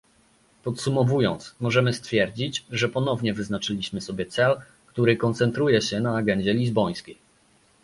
Podsumowując, możemy stwierdzić, że ponownie wyznaczyliśmy sobie cel, który koncentruje się na agendzie lizbońskiej